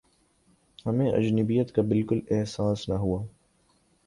ہمیں اجنبیت کا بالکل احساس نہ ہوا